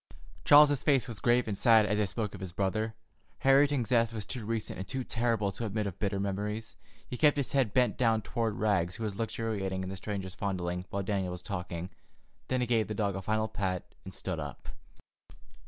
Charles's face was grave and sad as they spoke of his brother. Harrington's death was too recent and too terrible to admit of bitter memories. He kept his head bent down toward Rags, who was luxuriating in the stranger's fondling, while Daniel was talking. Then he gave the dog a final pat and stood up.